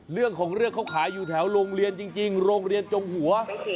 เรื่องของเรื่องเขาขายอยู่แถวโรงเรียนจริงโรงเรียนจงหัว